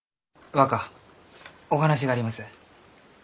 若お話があります。